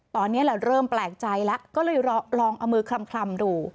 ตอนนี้แหละเริ่มแปลกใจแล้วก็เลยลองเอามือคลำดู